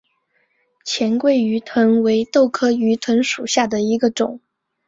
黔桂鱼藤为豆科鱼藤属下的一个种。